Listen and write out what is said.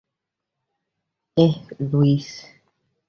এহ, লুইস?